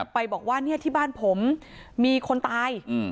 ไปบอกว่าที่บ้านผมมีคนตาย